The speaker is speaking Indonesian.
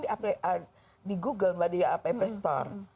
dia kan di google mbak di app store